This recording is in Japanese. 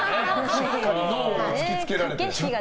しっかりノーを突きつけられて。